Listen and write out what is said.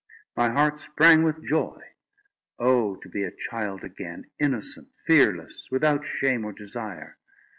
My heart sprang with joy. Oh, to be a child again, innocent, fearless, without shame or desire!